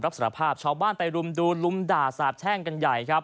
สารภาพชาวบ้านไปรุมดูลุมด่าสาบแช่งกันใหญ่ครับ